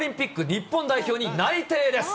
日本代表に内定です。